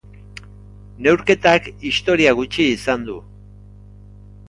Neurketak historia gutxi izan du.